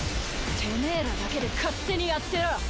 てめぇらだけで勝手にやってろ。